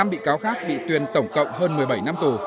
năm bị cáo khác bị tuyên tổng cộng hơn một mươi bảy năm tù